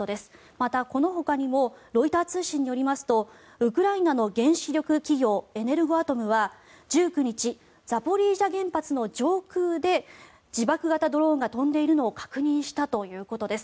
また、このほかにもロイター通信によりますとウクライナの原子力企業エネルゴアトムは１９日ザポリージャ原発の上空で自爆型ドローンが飛んでいるのを確認したということです。